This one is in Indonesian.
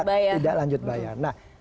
tidak lanjut bayar